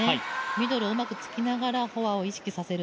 ミドルをうまく突きながら、フォアを意識させる。